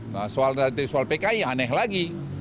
nah soal pki aneh lagi